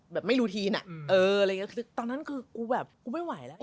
แบบไม่รู้ทีน่ะเอออะไรอย่างเงี้คือตอนนั้นคือกูแบบกูไม่ไหวแล้ว